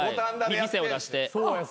店を出して。